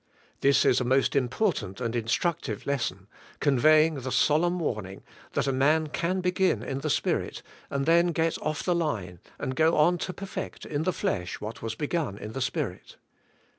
This is a most important and instructive lesson, conveying the solemn warn ing", that a man can beg^in in the Spirit and then g et off the line and go on to perfect in the flesh what was beg un in the Spirit.